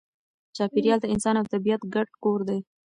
چاپېریال د انسان او طبیعت ګډ کور دی.